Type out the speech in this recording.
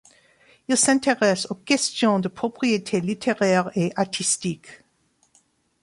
Il s'intéresse aux questions de propriété littéraire et artistique.